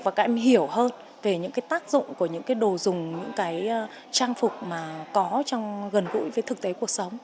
và các em hiểu hơn về những cái tác dụng của những cái đồ dùng những cái trang phục mà có trong gần gũi với thực tế cuộc sống